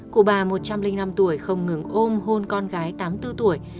cụ bà một trăm linh năm tuổi không ngừng ôm hôn con gái tám mươi bốn tuổi